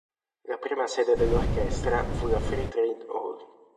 La prima sede dell'orchestra fu la Free Trade Hall.